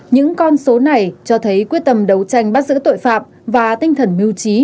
những con số này cho thấy quyết tâm đấu tranh bắt giữ tội phạm và tinh thần mưu trí